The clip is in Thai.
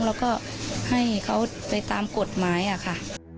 แล้วก็ให้เขาไปตามกฎหมายอะค่ะ